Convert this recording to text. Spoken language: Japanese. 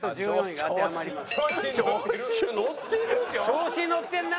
「調子に乗ってんな！